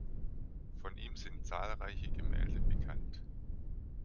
Von ihm sind zahlreiche Gemälde bekannt.